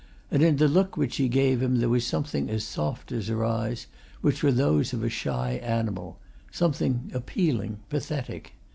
And in the look which she gave him there was something as soft as her eyes, which were those of a shy animal something appealing, pathetic.